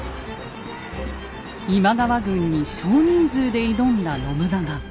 今川軍に少人数で挑んだ信長。